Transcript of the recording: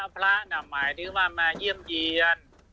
พระน่ะหมายถึงว่ามาเยี่ยมเยี่ยน